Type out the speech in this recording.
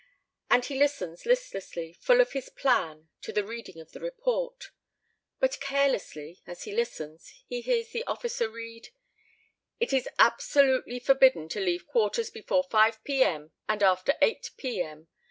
And he listens listlessly, full of his plan, to the reading of the report. But carelessly as he listens, he hears the officer read, "It is absolutely forbidden to leave quarters before 5 p.m. and after 8 p.m.